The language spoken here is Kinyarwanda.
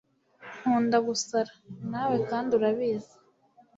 nkunda gusara nawe kandi urabizi